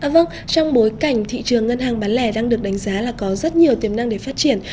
vâng trong bối cảnh thị trường ngân hàng bán lẻ đang được đánh giá là có rất nhiều tiềm năng để phát triển